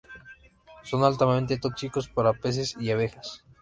Son altamente tóxicos para peces y abejas.